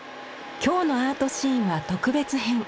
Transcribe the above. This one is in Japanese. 今日の「アートシーン」は特別編。